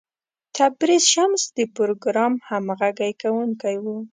تبریز شمس د پروګرام همغږی کوونکی و.